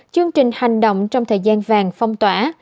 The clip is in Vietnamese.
chương trình hành động trong thời gian vàng phong tỏa